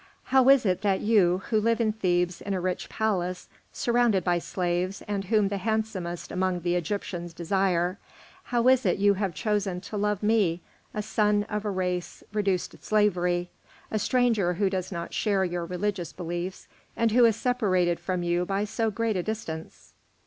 "How is it that you, who live in Thebes in a rich palace, surrounded by slaves, and whom the handsomest among the Egyptians desire, how is it you have chosen to love me, a son of a race reduced to slavery, a stranger who does not share your religious beliefs and who is separated from you by so great a distance?"